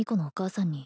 お母さん